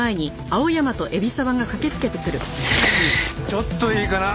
ちょっといいかな？